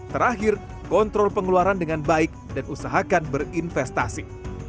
terakhir kontrol pengeluaran dengan baik dan usahakan berinvestasi